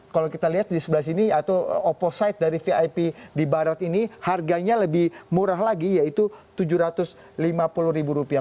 kalau kita lihat di sebelah sini atau opposite dari vip di barat ini harganya lebih murah lagi yaitu tujuh ratus lima puluh ribu rupiah